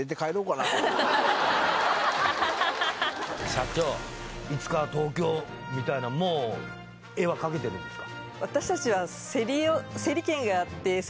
社長いつか東京みたいなもう画はかけてるんですか